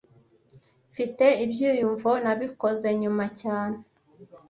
Mfite ibyiyumvo nabikoze nyuma cyane